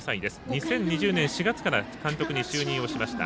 ２０２０年４月から監督に就任しました。